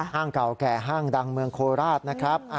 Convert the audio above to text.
เก่าแก่ห้างดังเมืองโคราชนะครับ